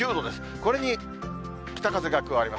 これに北風が加わります。